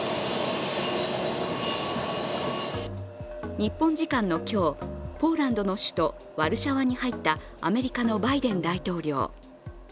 日本時間の今日、ポーランドの首都ワルシャワに入ったアメリカのバイデン大統領。